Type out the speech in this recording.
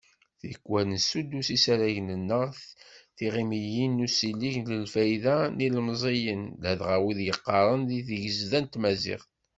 Tikwal nessuddus isaragen neɣ tiɣimiyin n usileɣ i lfayda n yilemẓiyen, ladɣa wid yeqqaren deg yigezda n tmaziɣt.